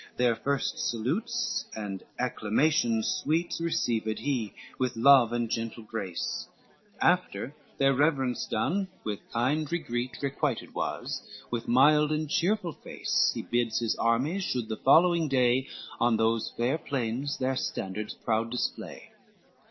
Their first salutes and acclamations sweet Received he, with love and gentle grace; After their reverence done with kind regreet Requited was, with mild and cheerful face, He bids his armies should the following day On those fair plains their standards proud display.